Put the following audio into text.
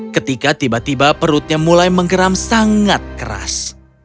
ketika tiba tiba perutnya mulai menggeram sangat keras